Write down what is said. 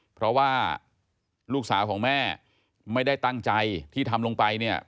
เพราะว่าลูกสาวของแม่ไม่ได้ตั้งใจที่ทำลงไปเนี่ย